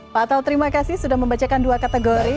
pak atal terima kasih sudah membacakan dua kategori